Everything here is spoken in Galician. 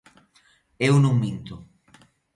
Eu non minto.